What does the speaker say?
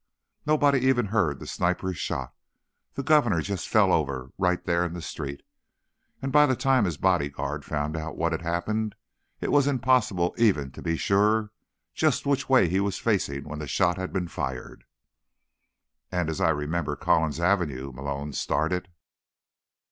"Nobody even heard the sniper's shot; the governor just fell over, right there in the street. And by the time his bodyguards found out what had happened, it was impossible even to be sure just which way he was facing when the shot had been fired." "And, as I remember Collins Avenue—" Malone started.